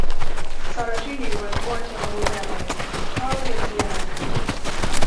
Saracini was born to a noble family, probably in Siena.